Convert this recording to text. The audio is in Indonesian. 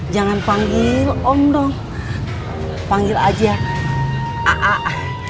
jangan panggil om dong panggil aja a a a